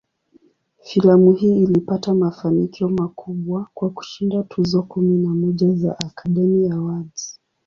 Filamu hii ilipata mafanikio makubwa, kwa kushinda tuzo kumi na moja za "Academy Awards".